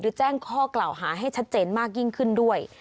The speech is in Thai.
แจ้งข้อกล่าวหาให้ชัดเจนมากยิ่งขึ้นด้วย